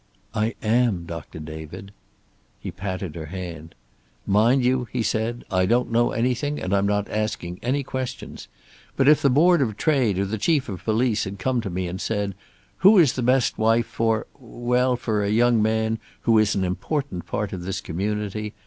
"I am, Doctor David." He patted her hand. "Mind you," he said, "I don't know anything and I'm not asking any questions. But if the Board of Trade, or the Chief of Police, had come to me and said, 'Who is the best wife for well, for a young man who is an important part of this community?'